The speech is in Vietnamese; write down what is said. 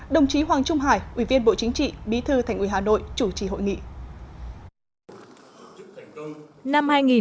đồng chí hoàng trung hải ủy viên bộ chính trị bí thư thành ủy hà nội chủ trì hội nghị